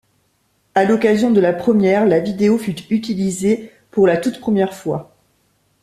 À l'occasion de la première, la vidéo fut utilisée pour la toute première fois.